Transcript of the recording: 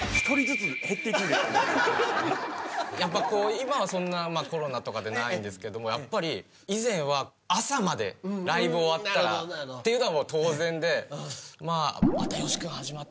今はそんなコロナとかでないんですけども以前は朝までライブ終わったらっていうのは当然で。